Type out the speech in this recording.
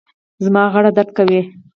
زما غاړه درد کوي